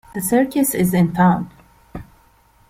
The circus is in town!.